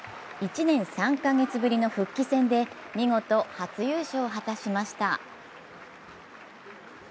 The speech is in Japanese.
１年３か月ぶりの復帰戦で見事、初優勝を果たしました。